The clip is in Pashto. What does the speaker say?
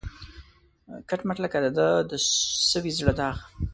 کټ مټ لکه د ده د سوي زړه داغ